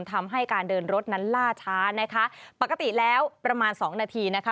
ทำให้การเดินรถนั้นล่าช้านะคะปกติแล้วประมาณสองนาทีนะคะ